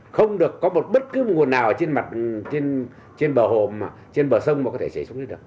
không được có bất cứ nguồn nào trên bờ hồ trên bờ sông mà có thể chế xuống đây được